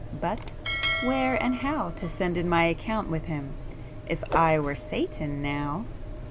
But,—where and how to send in my account with him? If I were Satan now...."